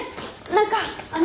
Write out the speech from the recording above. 何かあの。